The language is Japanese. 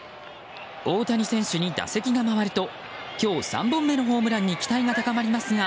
大谷選手に打席が回ると今日３本目のホームランに期待が高まりますが。